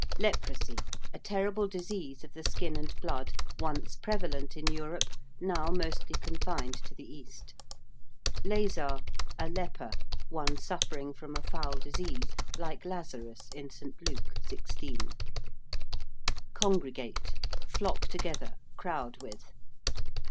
~Leprosy~: a terrible disease of the skin and blood, once prevalent in Europe, now mostly confined to the East. ~lazar~: a leper; one suffering from a foul disease like Lazarus in St. Luke xvi. ~congregate~: flock together, crowd with.